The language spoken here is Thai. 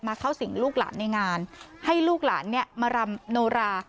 เข้าสิ่งลูกหลานในงานให้ลูกหลานเนี่ยมารำโนรา